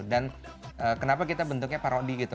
dan kenapa kita bentuknya parodi gitu